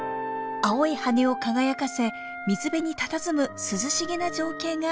青い羽を輝かせ水辺にたたずむ涼しげな情景が浮かんできます。